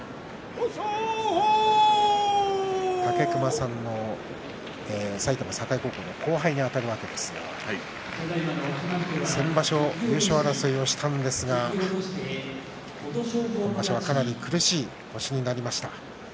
武隈さんの埼玉栄高校の後輩にあたるわけですが先場所、優勝争いをしたんですが今場所はかなり苦しい星になりました。